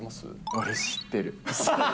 俺、知ってる。